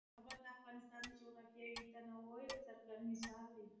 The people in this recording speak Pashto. کابل د افغانستان د جغرافیوي تنوع یو څرګند مثال دی.